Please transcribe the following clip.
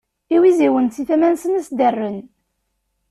Iwiziwen si tama-nsen ad as-d-rren.